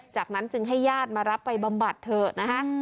จากนั้นจึงให้ญาติมารับไปบำบัดเถอะนะคะ